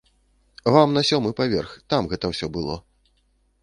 Вам на сёмы паверх, там гэта ўсё было.